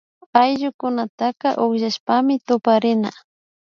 Ayllukunataka ukllashpami tuparina